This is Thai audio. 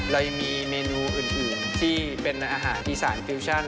เรายังมีเมนูอื่นที่เป็นอาหารอีสานฟิวชั่น